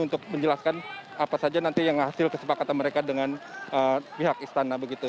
untuk menjelaskan apa saja nanti yang hasil kesepakatan mereka dengan pihak istana begitu